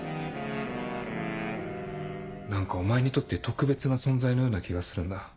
何かお前にとって特別な存在のような気がするんだ。